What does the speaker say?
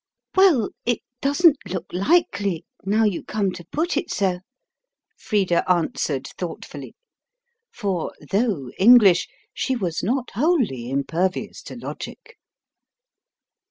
"Well, it doesn't look likely, now you come to put it so," Frida answered thoughtfully: for, though English, she was not wholly impervious to logic.